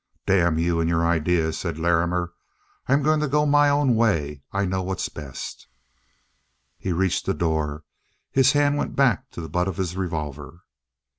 "Damn you and your ideas," said Larrimer. "I'm going to go my own way. I know what's best." He reached the door, his hand went back to the butt of his revolver.